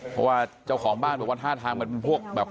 เพราะว่าเจ้าของบ้านเขาบอกว่า๕ทางแบบ